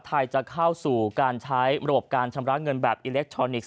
ไทยจะเข้าสู่การใช้ระบบการชำระเงินแบบอิเล็กทรอนิกส์